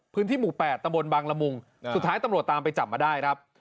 พื้นที่หมู่๘ตำบลบางละมุงสุดท้ายตำรวจตามไปจับมาได้ครับ